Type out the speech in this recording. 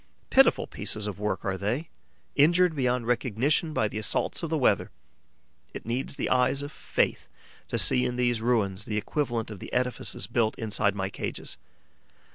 Pitiful pieces of work are they, injured beyond recognition by the assaults of the weather! It needs the eyes of faith to see in these ruins the equivalent of the edifices built inside my cages.